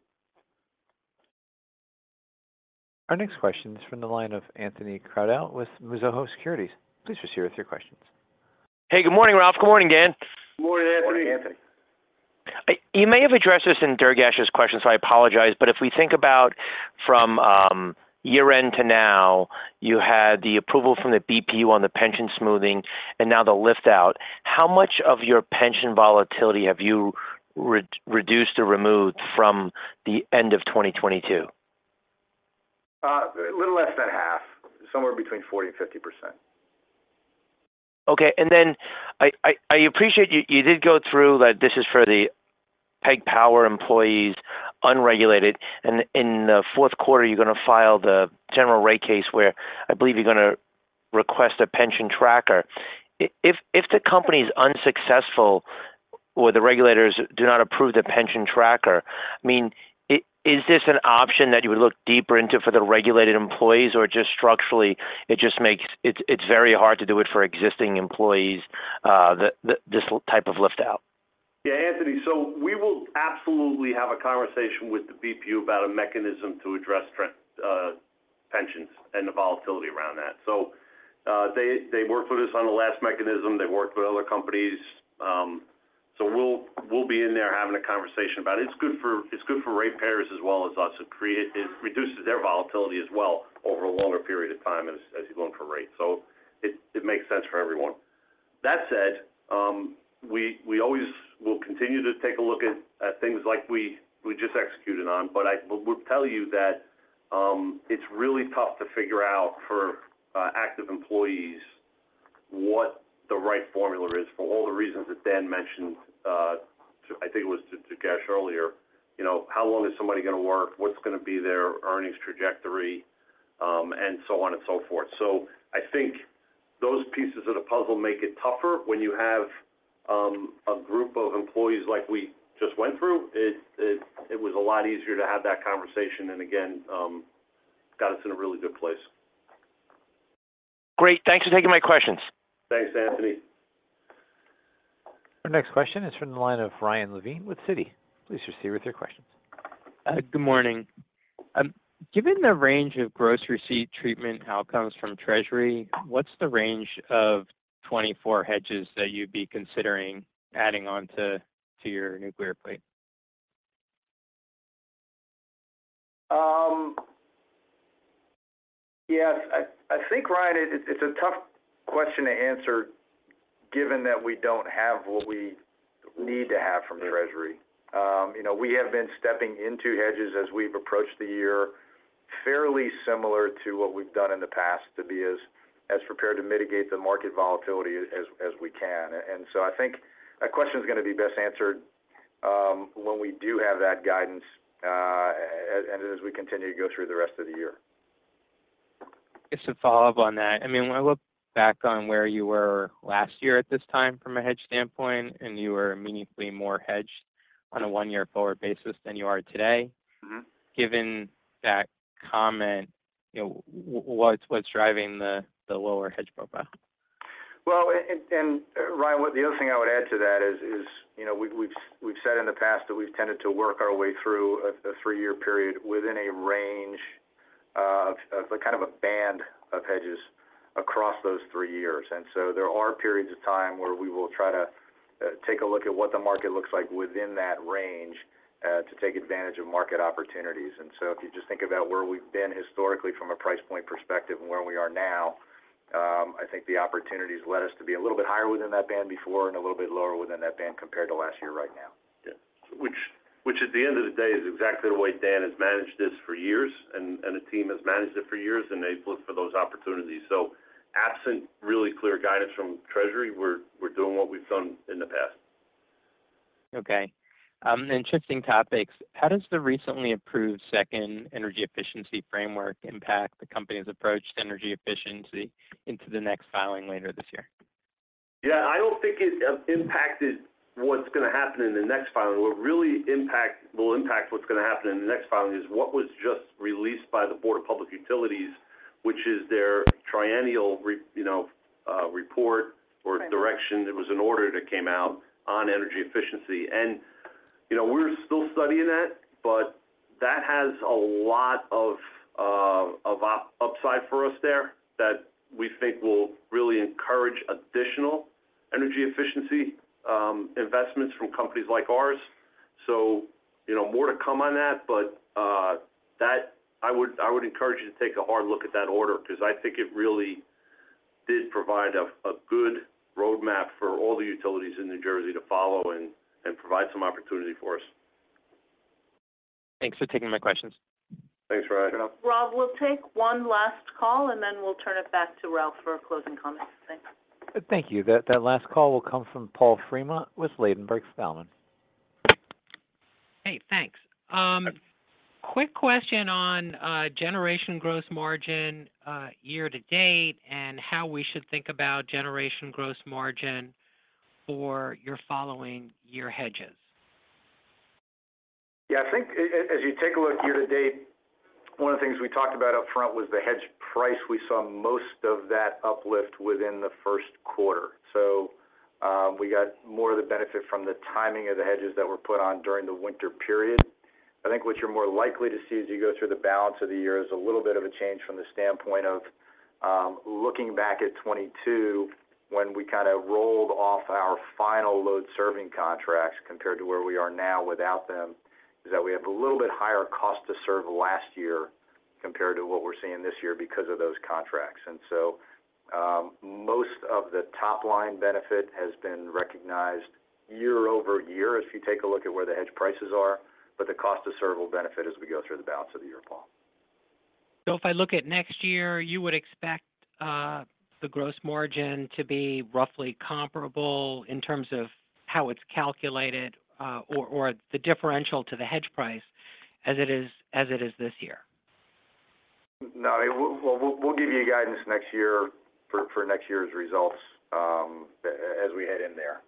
S1: Our next question is from the line of Anthony Crowdell with Mizuho Securities. Please proceed with your questions.
S13: Hey, good morning, Ralph. Good morning, Dan.
S3: Good morning, Anthony.
S4: Morning, Anthony.
S13: You may have addressed this in Durgesh's question, so I apologize. If we think about from, year-end to now, you had the approval from the BPU on the pension smoothing and now the lift out. How much of your pension volatility have you re-reduced or removed from the end of 2022?
S3: A little less than half, somewhere between 40% and 50%.
S13: Okay. Then I appreciate you did go through that this is for the PSEG Power employees, unregulated, in the Q4, you're going to file the general rate case where I believe you're going to request a pension tracker. If the company is unsuccessful or the regulators do not approve the pension tracker, I mean, is this an option that you would look deeper into for the regulated employees, or just structurally, it just makes it's very hard to do it for existing employees, the, this type of lift out?
S3: Yeah, Anthony, we will absolutely have a conversation with the BPU about a mechanism to address trend, pensions and the volatility around that. They, they worked with us on the last mechanism. They worked with other companies. We'll, we'll be in there having a conversation about it. It's good for, it's good for ratepayers as well as us. It reduces their volatility as well over a longer period of time as, as you're going for rate. It, it makes sense for everyone. That said, we, we always will continue to take a look at, at things like we, we just executed on. I will, will tell you that it's really tough to figure out for active employees what the right formula is for all the reasons that Dan mentioned to, I think it was to Durgesh earlier. You know, how long is somebody going to work? What's going to be their earnings trajectory? So on and so forth. I think those pieces of the puzzle make it tougher when you have a group of employees like we just went through. It, it, it was a lot easier to have that conversation, and again, got us in a really good place.
S13: Great. Thanks for taking my questions.
S3: Thanks, Anthony.
S1: Our next question is from the line of Ryan Levine with Citi. Please proceed with your questions.
S14: Good morning. Given the range of gross receipts treatment outcomes from Treasury, what's the range of 24 hedges that you'd be considering adding on to, to your nuclear plate?
S3: Yeah, I, I think, Ryan, it, it's a tough question to answer, given that we don't have what we need to have from Treasury. You know, we have been stepping into hedges as we've approached the year, fairly similar to what we've done in the past, to be as, as prepared to mitigate the market volatility as, as we can. So I think that question is gonna be best answered, when we do have that guidance, and as we continue to go through the rest of the year.
S14: Just to follow up on that, I mean, when I look back on where you were last year at this time from a hedge standpoint. You were meaningfully more hedged on a one-year forward basis than you are today.
S3: Mm-hmm.
S14: Given that comment, you know, what's, what's driving the, the lower hedge profile?
S3: Well, Ryan, the other thing I would add to that is, you know, we've said in the past that we've tended to work our way through a three-year period within a range of a kind of a band of hedges across those three years. There are periods of time where we will try to take a look at what the market looks like within that range to take advantage of market opportunities. If you just think about where we've been historically from a price point perspective and where we are now, I think the opportunities led us to be a little bit higher within that band before and a little bit lower within that band compared to last year right now.
S14: Yeah.
S3: Which at the end of the day, is exactly the way Dan has managed this for years, and the team has managed it for years, and they've looked for those opportunities. Absent really clear guidance from Treasury, we're doing what we've done in the past.
S14: Okay. Shifting topics, how does the recently approved second energy efficiency framework impact the company's approach to energy efficiency into the next filing later this year?
S3: Yeah, I don't think it impacted what's gonna happen in the next filing. What really will impact what's gonna happen in the next filing is what was just released by the Board of Public Utilities, which is their triennial re, you know, report or direction. It was an order that came out on energy efficiency. You know, we're still studying that, but that has a lot of upside for us there, that we think will really encourage additional energy efficiency investments from companies like ours. You know, more to come on that, but that I would, I would encourage you to take a hard look at that order, because I think it really did provide a good roadmap for all the utilities in New Jersey to follow and, and provide some opportunity for us.
S14: Thanks for taking my questions.
S3: Thanks, Ryan.
S2: Rob, we'll take one last call, and then we'll turn it back to Ralph for closing comments. Thanks.
S1: Thank you. That last call will come from Paul Fremont with Ladenburg Thalmann.
S15: Hey, thanks. Quick question on generation gross margin year-to-date, and how we should think about generation gross margin for your following year hedges.
S3: Yeah, I think as you take a look year to date, one of the things we talked about up front was the hedge price. We saw most of that uplift within the Q1. We got more of the benefit from the timing of the hedges that were put on during the winter period. I think what you're more likely to see as you go through the balance of the year is a little bit of a change from the standpoint of looking back at 2022, when we kind of rolled off our final load-serving contracts, compared to where we are now without them, is that we have a little bit higher cost to serve last year compared to what we're seeing this year because of those contracts. Most of the top line benefit has been recognized year-over-year, if you take a look at where the hedge prices are, but the cost to serve will benefit as we go through the balance of the year, Paul.
S15: If I look at next year, you would expect the gross margin to be roughly comparable in terms of how it's calculated, or, or the differential to the hedge price as it is, as it is this year?
S3: No, we- we'll, we'll give you a guidance next year for, for next year's results as we head in there.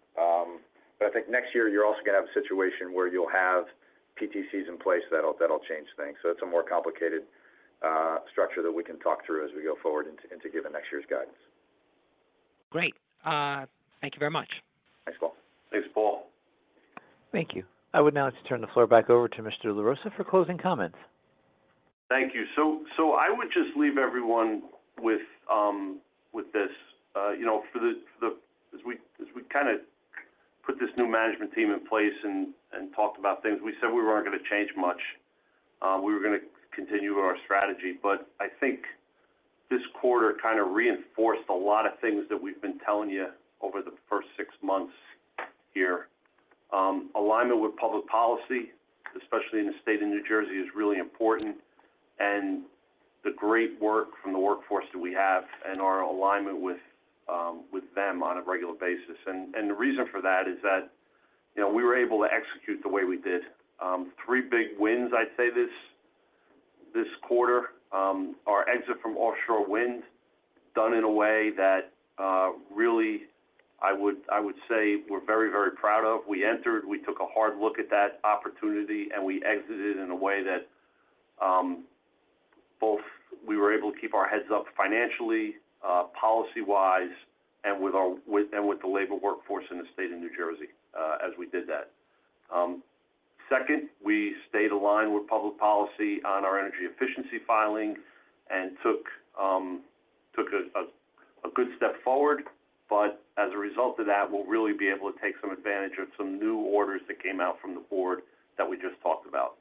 S3: I think next year you're also gonna have a situation where you'll have PTCs in place that'll, that'll change things. It's a more complicated structure that we can talk through as we go forward into, into giving next year's guidance.
S15: Great. Thank you very much.
S4: Thanks, Paul.
S3: Thanks, Paul.
S1: Thank you. I would now like to turn the floor back over to Mr. LaRossa for closing comments.
S3: Thank you. So I would just leave everyone with, with this. You know, as we, as we kind of put this new management team in place and, and talked about things, we said we weren't gonna change much. We were gonna continue our strategy. I think this quarter kind of reinforced a lot of things that we've been telling you over the first six months here. Alignment with public policy, especially in the state of New Jersey, is really important, and the great work from the workforce that we have and our alignment with, with them on a regular basis. The reason for that is that, you know, we were able to execute the way we did. Three big wins, I'd say, this, this quarter. Our exit from offshore wind, done in a way that I would say we're very, very proud of. We entered, we took a hard look at that opportunity, and we exited in a way that both we were able to keep our heads up financially, policy-wise, and with the labor workforce in the state of New Jersey, as we did that. Second, we stayed aligned with public policy on our energy efficiency filing and took a good step forward. As a result of that, we'll really be able to take some advantage of some new orders that came out from the board that we just talked about.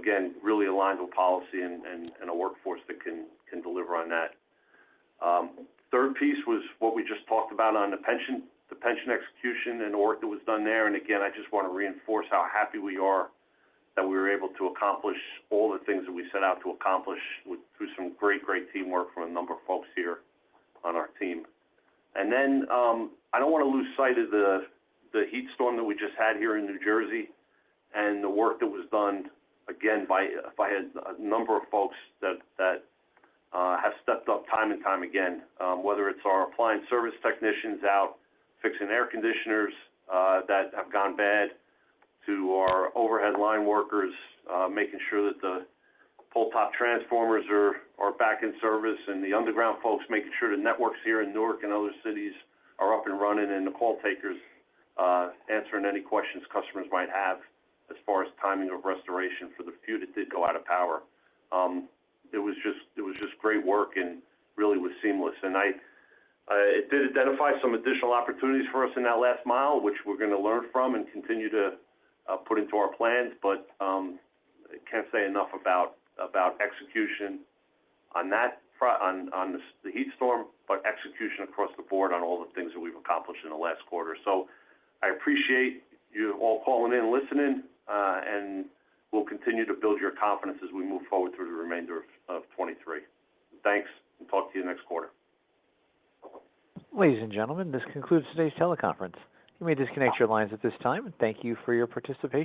S3: Again, really aligned with policy and a workforce that can deliver on that. Third piece was what we just talked about on the pension, the pension execution and the work that was done there. Again, I just want to reinforce how happy we are that we were able to accomplish all the things that we set out to accomplish through some great, great teamwork from a number of folks here on our team. I don't want to lose sight of the, the heat storm that we just had here in New Jersey and the work that was done, again, by, by a, a number of folks that, that have stepped up time and time again. Whether it's our appliance service technicians out fixing air conditioners, that have gone bad, to our overhead line workers, making sure that the pole top transformers are, are back in service, and the underground folks making sure the networks here in Newark and other cities are up and running, and the call takers, answering any questions customers might have as far as timing of restoration for the few that did go out of power. It was just, it was just great work and really was seamless. It did identify some additional opportunities for us in that last mile, which we're going to learn from and continue to, put into our plans. I can't say enough about, about execution on that front, on, on the, the heat storm, but execution across the board on all the things that we've accomplished in the last quarter. I appreciate you all calling in and listening, and we'll continue to build your confidence as we move forward through the remainder of, of 2023. Thanks. Talk to you next quarter.
S1: Ladies and gentlemen, this concludes today's teleconference. You may disconnect your lines at this time, and thank you for your participation.